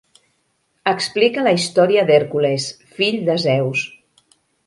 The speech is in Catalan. Explica la història d'Hèrcules, fill de Zeus.